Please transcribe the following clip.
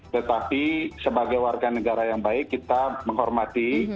tetapi sebagai warga negara yang baik kita menghormati